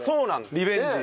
リベンジ。